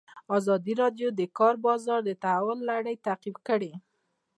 ازادي راډیو د د کار بازار د تحول لړۍ تعقیب کړې.